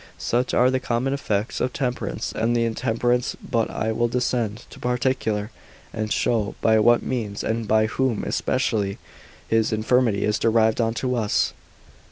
Such are the common effects of temperance and intemperance, but I will descend to particular, and show by what means, and by whom especially, this infirmity is derived unto us.